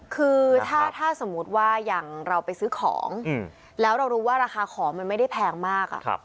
คือถ้าสมมุติว่าอย่างเราไปซื้อของแล้วเรารู้ว่าราคาของมันไม่ได้แพงมาก